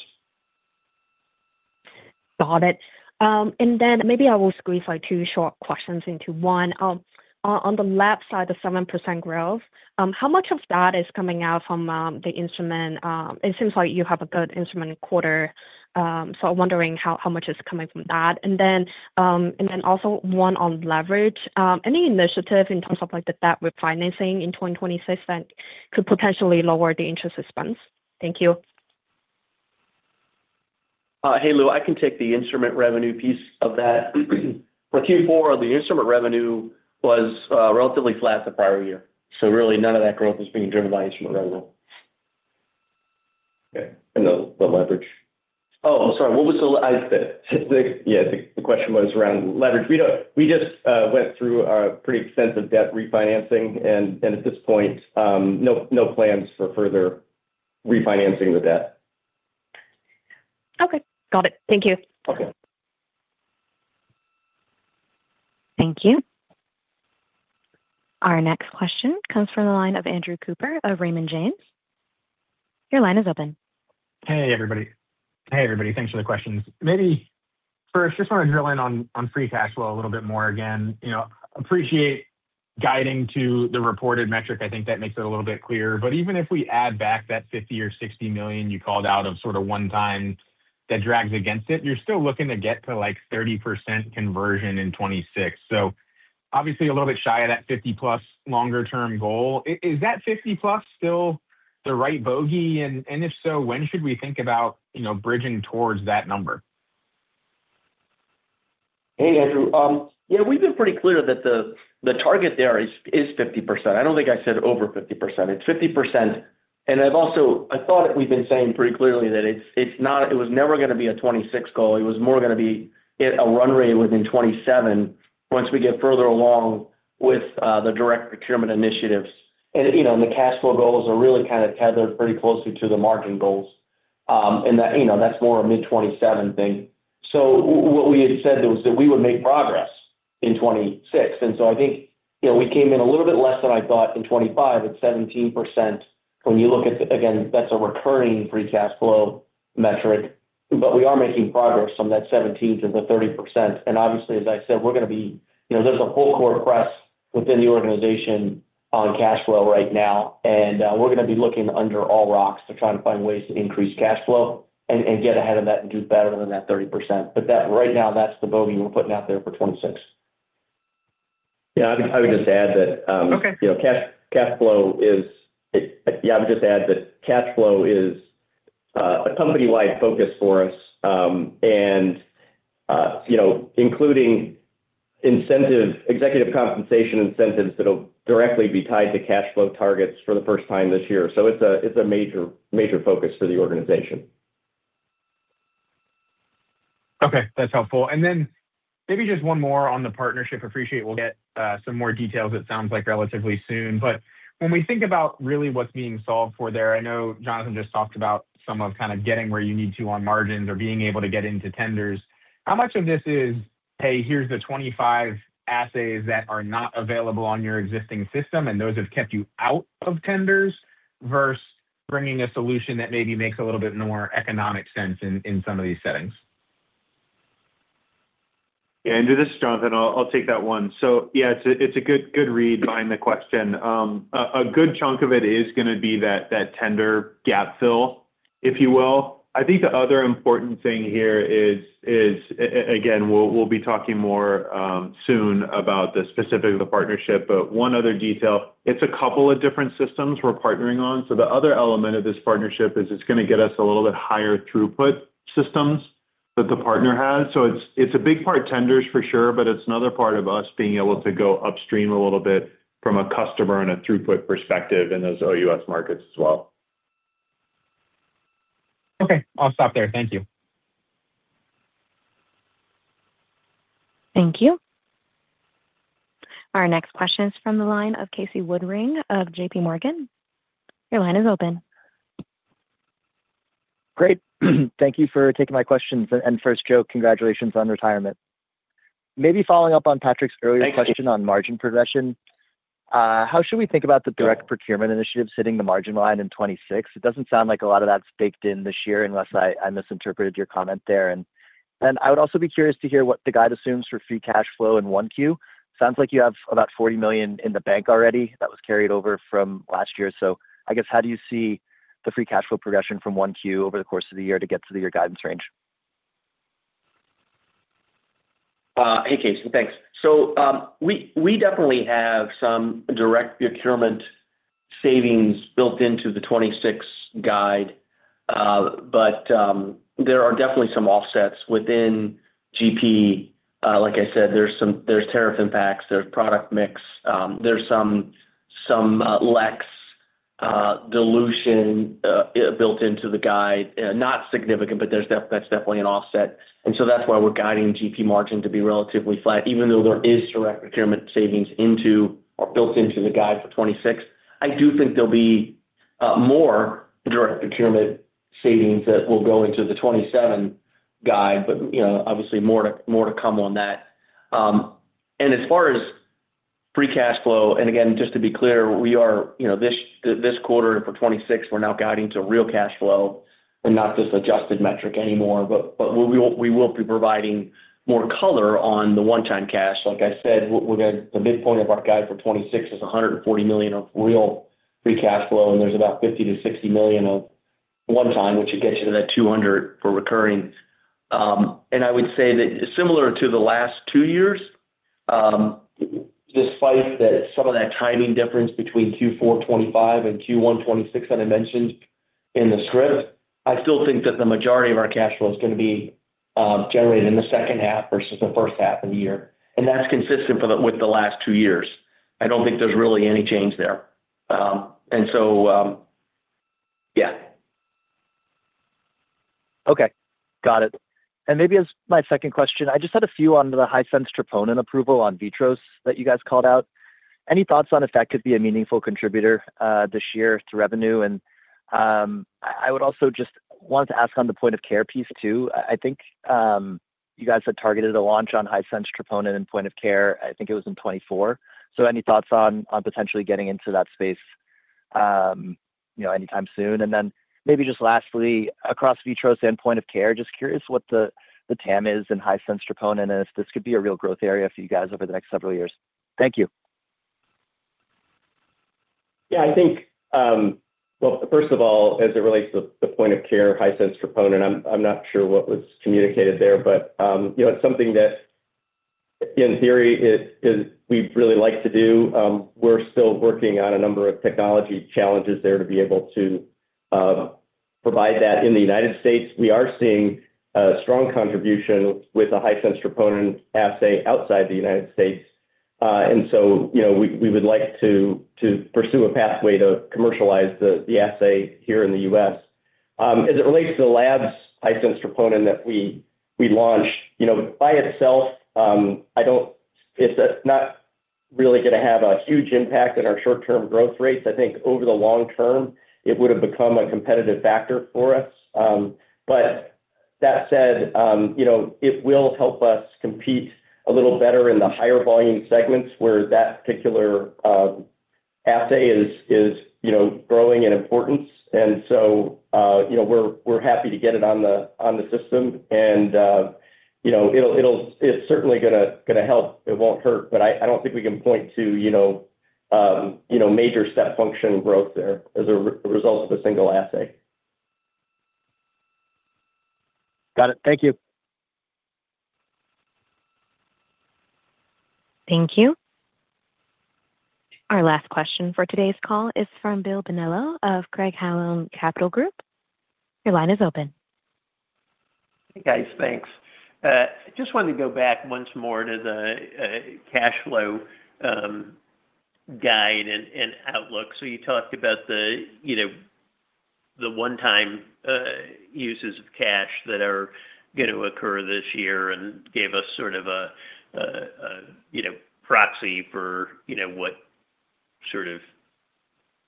Got it. And then maybe I will squeeze two short questions into one. On the left side, the 7% growth, how much of that is coming out from the instrument? It seems like you have a good instrument quarter. So I'm wondering how much is coming from that. And then also one on leverage. Any initiative in terms of debt refinancing in 2026 that could potentially lower the interest expense? Thank you. Hey, Lu. I can take the instrument revenue piece of that. For Q4, the instrument revenue was relatively flat the prior year. So really, none of that growth is being driven by instrument revenue. Okay. The leverage? Oh, sorry. What was the question? The question was around leverage. We just went through a pretty extensive debt refinancing. At this point, no plans for further refinancing the debt. Okay. Got it. Thank you. Okay. Thank you. Our next question comes from the line of Andrew Cooper of Raymond James. Your line is open. Hey, everybody. Hey, everybody. Thanks for the questions. Maybe first, just want to drill in on free cash flow a little bit more again. Appreciate guiding to the reported metric. I think that makes it a little bit clear. But even if we add back that $50 million or $60 million you called out of sort of one time that drags against it, you're still looking to get to 30% conversion in 2026. So obviously, a little bit shy of that 50+ longer-term goal. Is that 50+ still the right bogey? And if so, when should we think about bridging towards that number? Hey, Andrew. Yeah, we've been pretty clear that the target there is 50%. I don't think I said over 50%. It's 50%. And I've also thought we've been saying pretty clearly that it was never going to be a 2026 goal. It was more going to be a runway within 2027 once we get further along with the direct procurement initiatives. And the cash flow goals are really kind of tethered pretty closely to the margin goals. And that's more a mid-2027 thing. So what we had said was that we would make progress in 2026. And so I think we came in a little bit less than I thought in 2025 at 17%. When you look at again, that's a recurring free cash flow metric. But we are making progress from that 17%-30%. Obviously, as I said, we're going to be—there's a full court press within the organization on cash flow right now. We're going to be looking under all rocks to try and find ways to increase cash flow and get ahead of that and do better than that 30%. But right now, that's the bogey we're putting out there for 2026. Yeah. I would just add that cash flow is a company-wide focus for us, including executive compensation incentives that will directly be tied to cash flow targets for the first time this year. So it's a major focus for the organization. Okay. That's helpful. And then maybe just one more on the partnership. Appreciate. Get some more details, it sounds like, relatively soon. But when we think about really what's being solved for there, I know Jonathan just talked about some of kind of getting where you need to on margins or being able to get into tenders. How much of this is, "Hey, here's the 25 assays that are not available on your existing system, and those have kept you out of tenders," versus bringing a solution that maybe makes a little bit more economic sense in some of these settings? Yeah. And to this, Jonathan, I'll take that one. So yeah, it's a good read behind the question. A good chunk of it is going to be that tender gap fill, if you will. I think the other important thing here is, again, we'll be talking more soon about the specifics of the partnership. But one other detail, it's a couple of different systems we're partnering on. So the other element of this partnership is it's going to get us a little bit higher throughput systems that the partner has. So it's a big part tenders for sure, but it's another part of us being able to go upstream a little bit from a customer and a throughput perspective in those OUS markets as well. Okay. I'll stop there. Thank you. Thank you. Our next question is from the line of Casey Woodring of JPMorgan. Your line is open. Great. Thank you for taking my questions. And first, Joe, congratulations on retirement. Maybe following up on Patrick's earlier question on margin progression, how should we think about the direct procurement initiatives hitting the margin line in 2026? It doesn't sound like a lot of that's baked in this year unless I misinterpreted your comment there. And then I would also be curious to hear what the guide assumes for free cash flow in 1Q. Sounds like you have about $40 million in the bank already that was carried over from last year. So I guess, how do you see the free cash flow progression from 1Q over the course of the year to get to your guidance range? Hey, Casey. Thanks. So we definitely have some direct procurement savings built into the 2026 guide. But there are definitely some offsets within GP. Like I said, there's tariff impacts. There's product mix. There's some LEX dilution built into the guide. Not significant, but that's definitely an offset. And so that's why we're guiding GP margin to be relatively flat, even though there is direct procurement savings built into the guide for 2026. I do think there'll be more direct procurement savings that will go into the 2027 guide, but obviously, more to come on that. And as far as free cash flow and again, just to be clear, this quarter for 2026, we're now guiding to real cash flow and not this adjusted metric anymore. But we will be providing more color on the one-time cash. Like I said, the midpoint of our guide for 2026 is $140 million of real free cash flow. There's about $50 million-$60 million of one-time, which would get you to that $200 million for recurring. I would say that similar to the last two years, despite some of that timing difference between Q4 2025 and Q1 2026 that I mentioned in the script, I still think that the majority of our cash flow is going to be generated in the second half versus the first half of the year. That's consistent with the last two years. I don't think there's really any change there. So yeah. Okay. Got it. Maybe as my second question, I just had a few on the High Sensitivity Troponin approval on VITROS that you guys called out. Any thoughts on if that could be a meaningful contributor this year to revenue? I would also just want to ask on the Point of Care piece too. I think you guys had targeted a launch on High Sensitivity Troponin and point-of-care. I think it was in 2024. So any thoughts on potentially getting into that space anytime soon? Then maybe just lastly, across VITROS and point-of-care, just curious what the TAM is in High Sensitivity Troponin and if this could be a real growth area for you guys over the next several years. Thank you. Yeah. Well, first of all, as it relates to the point-of-care, High Sensitivity Troponin, I'm not sure what was communicated there. But it's something that, in theory, we'd really like to do. We're still working on a number of technology challenges there to be able to provide that in the United States. We are seeing a strong contribution with a High Sensitivity Troponin assay outside the United States. And so we would like to pursue a pathway to commercialize the assay here in the U.S. As it relates to the lab's High Sensitivity Troponin that we launched, by itself, it's not really going to have a huge impact on our short-term growth rates. I think over the long term, it would have become a competitive factor for us. But that said, it will help us compete a little better in the higher volume segments where that particular assay is growing in importance. And so we're happy to get it on the system. And it's certainly going to help. It won't hurt. But I don't think we can point to major step function growth there as a result of a single assay. Got it. Thank you. Thank you. Our last question for today's call is from Bill Bonello of Craig-Hallum Capital Group. Your line is open. Hey, guys. Thanks. I just wanted to go back once more to the cash flow guide and outlook. So you talked about the one-time uses of cash that are going to occur this year and gave us sort of a proxy for what sort of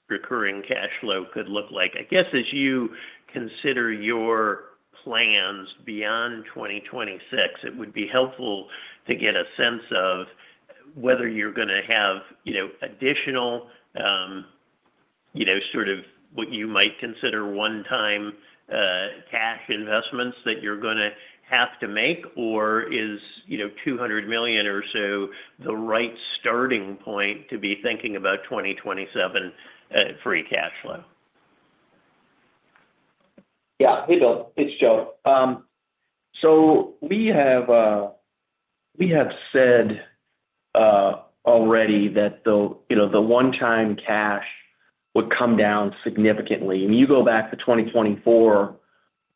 recurring cash flow could look like. I guess as you consider your plans beyond 2026, it would be helpful to get a sense of whether you're going to have additional sort of what you might consider one-time cash investments that you're going to have to make, or is $200 million or so the right starting point to be thinking about 2027 free cash flow? Yeah. Hey, Bill. It's Joe. So we have said already that the one-time cash would come down significantly. I mean, you go back to 2024,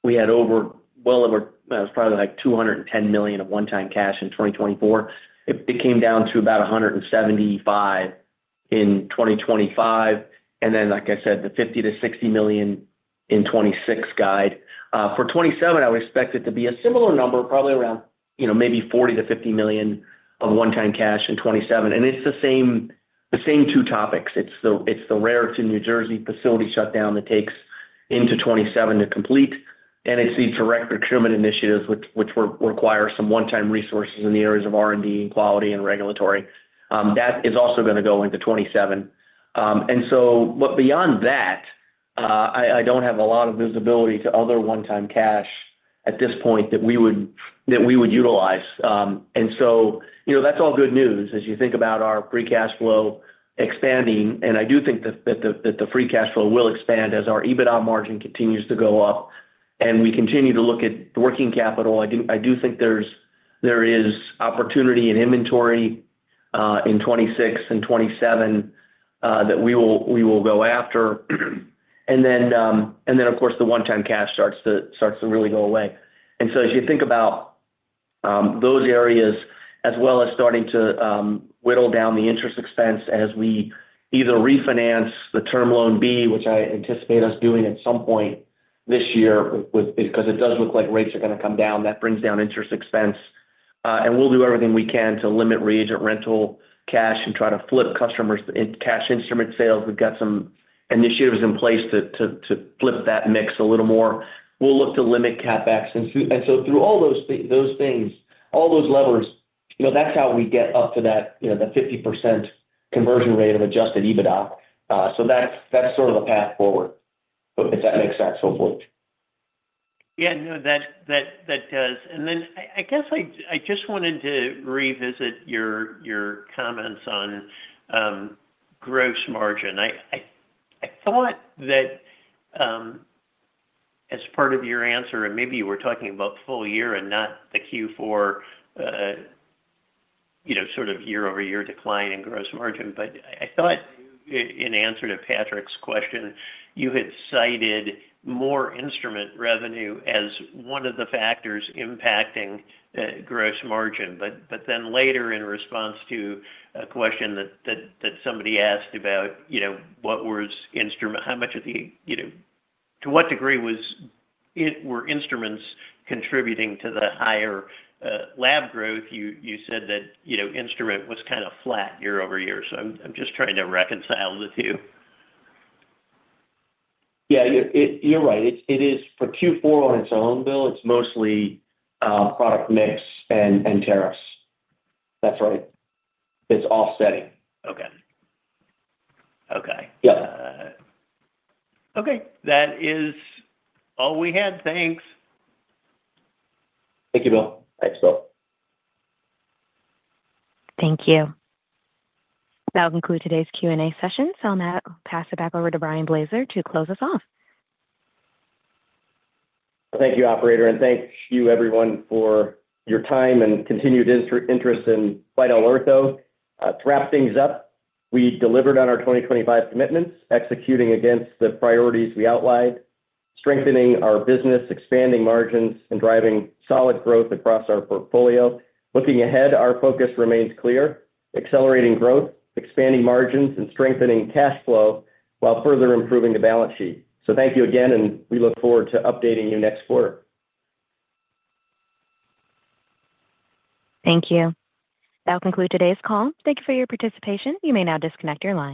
we had well over; it was probably like $210 million of one-time cash in 2024. It came down to about $175 million in 2025. And then, like I said, the $50 million-$60 million in 2026 guide. For 2027, I would expect it to be a similar number, probably around maybe $40 million-$50 million of one-time cash in 2027. And it's the same two topics. It's the Raritan, New Jersey facility shutdown that takes into 2027 to complete. And it's the direct procurement initiatives, which require some one-time resources in the areas of R&D and quality and regulatory. That is also going to go into 2027. But beyond that, I don't have a lot of visibility to other one-time cash at this point that we would utilize. That's all good news as you think about our free cash flow expanding. I do think that the free cash flow will expand as our EBITDA margin continues to go up. And we continue to look at working capital. I do think there is opportunity in inventory in 2026 and 2027 that we will go after. Then, of course, the one-time cash starts to really go away. As you think about those areas, as well as starting to whittle down the interest expense as we either refinance the Term Loan B, which I anticipate us doing at some point this year because it does look like rates are going to come down, that brings down interest expense. We'll do everything we can to limit reagent rental cash and try to flip customers in cash instrument sales. We've got some initiatives in place to flip that mix a little more. We'll look to limit CapEx. And so through all those things, all those levers, that's how we get up to that 50% conversion rate of adjusted EBITDA. So that's sort of the path forward, if that makes sense, hopefully. Yeah. No, that does. And then I guess I just wanted to revisit your comments on gross margin. I thought that as part of your answer, and maybe you were talking about full year and not the Q4 sort of year-over-year decline in gross margin. But I thought in answer to Patrick's question, you had cited more instrument revenue as one of the factors impacting gross margin. But then later in response to a question that somebody asked about what was how much of the to what degree were instruments contributing to the higher lab growth? You said that instrument was kind of flat year-over-year. So I'm just trying to reconcile the two. Yeah. You're right. For Q4 on its own, Bill, it's mostly product mix and tariffs. That's right. It's offsetting. Okay. Okay. Okay. That is all we had. Thanks. Thank you, Bill. Thanks, Bill. Thank you. That'll conclude today's Q&A session. I'll now pass it back over to Brian Blaser to close us off. Thank you, operator. Thank you, everyone, for your time and continued interest in QuidelOrtho. To wrap things up, we delivered on our 2025 commitments, executing against the priorities we outlined, strengthening our business, expanding margins, and driving solid growth across our portfolio. Looking ahead, our focus remains clear: accelerating growth, expanding margins, and strengthening cash flow while further improving the balance sheet. Thank you again, and we look forward to updating you next quarter. Thank you. That'll conclude today's call. Thank you for your participation. You may now disconnect your line.